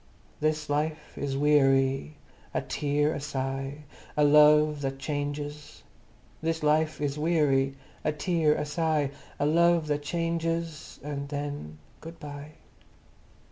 This Life is Wee ary, A Tear—a Sigh. A Love that Chan ges, This Life is Wee ary, A Tear—a Sigh. A Love that Chan ges, And then. .. Good bye!